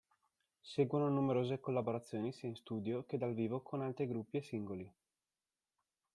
Seguono numerose collaborazioni sia in studio che dal vivo con altri gruppi e singoli.